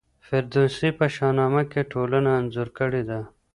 فردوسي په شاهنامه کي ټولنه انځور کړې ده.